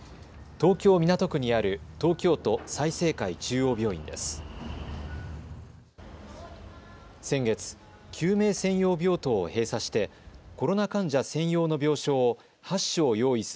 東京港区にある東京都済生会中央病院です。